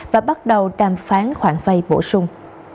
và bắt đầu đàm phán khoản vây bổ sung